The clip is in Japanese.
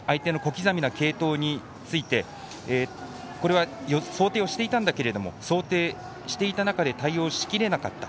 相手の小刻みな継投についてこれは想定をしていたんだけれども想定していた中で対応しきれなかった。